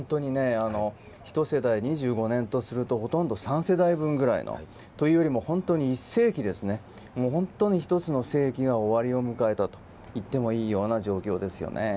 ひと世代を２５年とするとほとんど３世代分ぐらいのというよりも、本当に１世紀ですね、１つの世紀が終わりを迎えたといってもいいような状況ですよね。